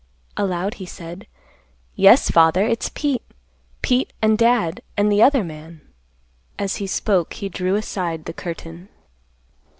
Aloud, he said, "Yes, Father, it's Pete. Pete, an' Dad, an' the other man." As he spoke he drew aside the curtain.